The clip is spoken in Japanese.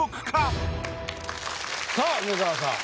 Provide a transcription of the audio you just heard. さあ梅沢さん